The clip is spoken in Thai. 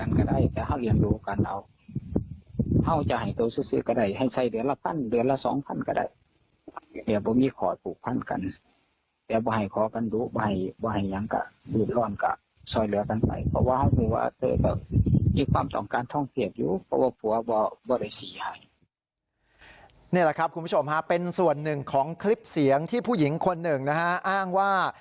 นี่แหละครับคุณผู้ชมฟังคลิปเสียงที่ผู้หญิงคนหนึ่งอ้างว่า